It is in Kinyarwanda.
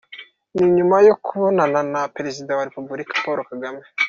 Ni nyuma yo kubonana na Perezida wa Repubulika, Paul Kagame.